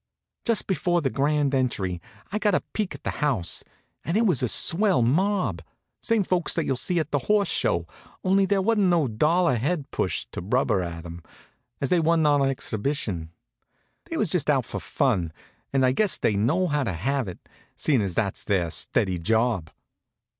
Just before the grand entry I got a peek at the house, and it was a swell mob: same folks that you'll see at the Horse Show, only there wasn't no dollar a head push to rubber at 'em, as they wa'n't on exhibition. They was just out for fun, and I guess they know how to have it, seein' that's their steady job.